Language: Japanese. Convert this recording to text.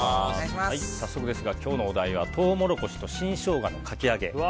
早速ですが今日のお題はトウモロコシと新ショウガのかき揚げ。